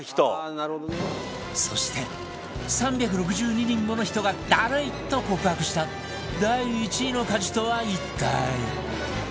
そして３６２人もの人がダルいと告白した第１位の家事とは一体？